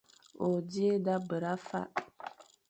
O dighé da bera fa.